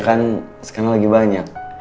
kan sekarang lagi banyak